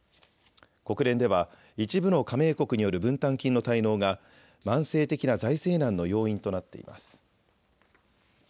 国連では一部の加盟国による分担金の滞納が慢性的な財政難の要因となっています。